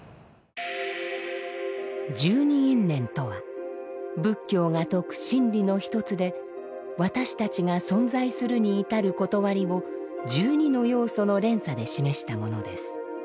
「十二因縁」とは仏教が説く真理の一つで私たちが存在するに至ることわりを十二の要素の連鎖で示したものです。